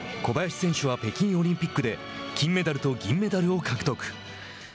小林選手は北京オリンピックで金メダルと銀メダルを獲得。